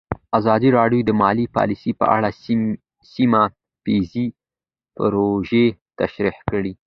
ازادي راډیو د مالي پالیسي په اړه سیمه ییزې پروژې تشریح کړې.